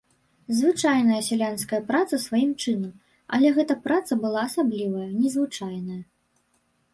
Звычайная сялянская праца сваім чынам, але гэта праца была асаблівая, незвычайная.